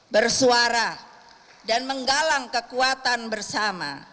bersuara dan menggalang kekuatan bersama